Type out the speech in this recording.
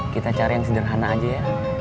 kita cari yang sederhana aja ya